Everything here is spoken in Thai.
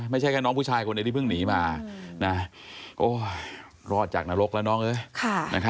ไม่ใช่แค่น้องผู้ชายคนหนึ่งที่เพิ่งหนีมารอดจากนรกแล้วน้องเอ้ย